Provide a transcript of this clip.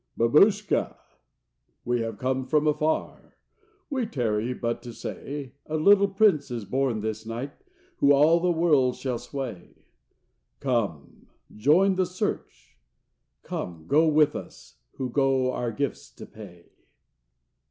"Babushka, we have come from far, We tarry but to say, A little Prince is born this night, Who all the world shall sway. Come, join the search; come, go with us, Who go our gifts to pay."